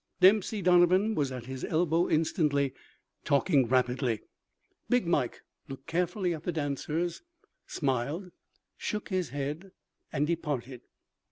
Dempsey Donovan was at his elbow instantly, talking rapidly. "Big Mike" looked carefully at the dancers, smiled, shook his head and departed.